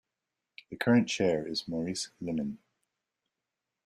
The current chair is Maurice Limmen.